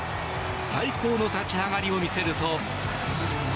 最高の立ち上がりを見せると。